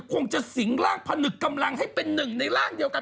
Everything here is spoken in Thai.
คงจะสิงร่างผนึกกำลังให้เป็นหนึ่งในร่างเดียวกัน